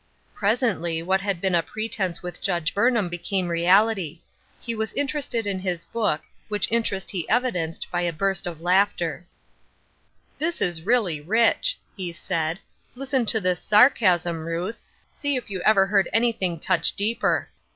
Pres ently what had been a pretense with Judge Burnham became reality. He was interest(jd in his book, which interest he evidenced by a bui ftt of laughter. ''Eearken Unto Me" 373 " This is really rich," he saifl. " Listen to this sarcasm, Ruth ; see if you ever heard anj^thing touch deeper."